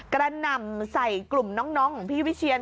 กระหน่ำใส่กลุ่มน้องของพี่วิเชียน